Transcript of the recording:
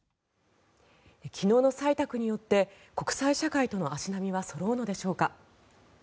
昨日の採択によって国際社会との足並みはそろうのでしょうか。